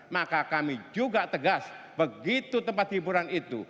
maka kami juga tegas begitu tempat hiburan itu